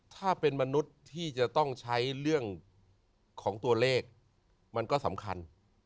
ถ้าเป็นมนุษย์ที่จะต้องใช้เรื่องของตัวเลขมันก็สำคัญ